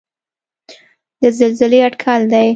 د زلزلې اټکل دی.